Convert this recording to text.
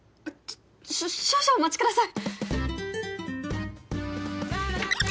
少々お待ちください。